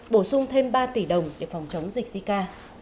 bổ sung thêm ba tỷ đồng để phòng chống dịch zika